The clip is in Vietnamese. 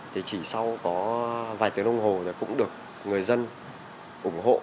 thì chỉ sau có vài tiếng đồng hồ là cũng được người dân ủng hộ